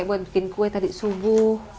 buat bikin kue tadi subuh